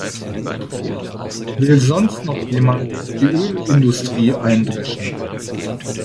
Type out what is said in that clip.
Will sonst noch jemand auf die Ölindustrie eindreschen?